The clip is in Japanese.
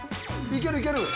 いけるいける！